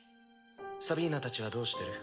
サビーナたちはどうしてる？